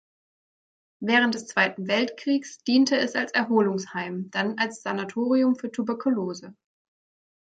Während des Zweiten Weltkrieges diente es als Erholungsheim, dann als Sanatorium für Tuberkulose.